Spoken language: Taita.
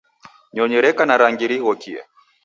Nyonyi reka na rangi righokie.